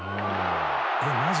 えっマジ？